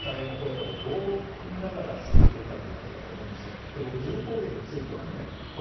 その人たちの反対の声をどう、くみながら進めていくかということだと思うんです。